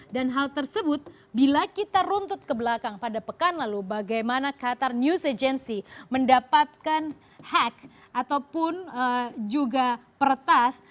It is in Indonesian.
dan hal tersebut bila kita runtut ke belakang pada pekan lalu bagaimana qatar news agency mendapatkan hak ataupun juga pertas